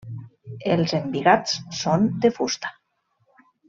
Els embigats són de fusta.